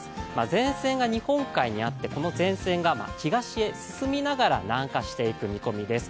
前線が日本海にあって、この前線が東へ進みながら南下していく見込みです